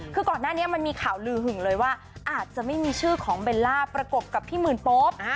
คือก่อนหน้านี้มันมีข่าวลือหึงเลยว่าอาจจะไม่มีชื่อของเบลล่าประกบกับพี่หมื่นโป๊ป